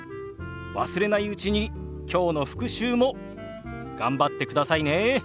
忘れないうちに今日の復習も頑張ってくださいね。